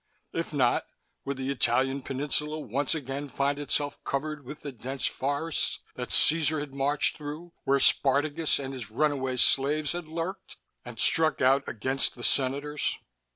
If not, would the Italian peninsula once again find itself covered with the dense forests that Caesar had marched through, where Spartacus and his runaway slaves had lurked and struck out against the Senators?